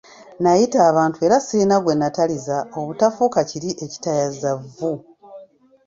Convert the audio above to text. Nayita abantu era ssirina gwe nataliza obutafuuka kiri ekitayaza vvu.